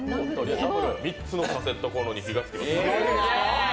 ３つのカセットこんろに火がつきました。